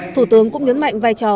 thủ tướng cũng nhấn mạnh vai trò